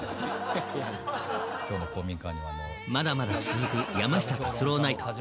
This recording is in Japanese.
まだまだ続く「山下達郎ナイト！」